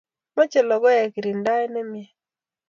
mache logoek kirindaet nemie